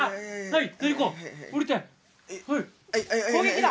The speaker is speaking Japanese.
はい。